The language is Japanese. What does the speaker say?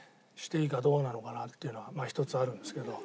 いいかどうなのかなっていうのはひとつあるんですけど。